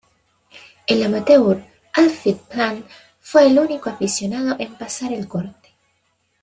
El amateur Alfie Plant fue el único aficionado en pasar el corte.